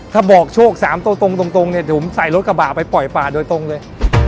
ถ้าบอกโชค๓ตรงเนี่ยถึงใส่รถขบับไปปล่อยป่าเนี่ย